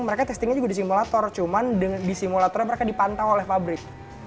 mereka testingnya juga di simulator cuman di simulatornya mereka dipantau oleh pabrik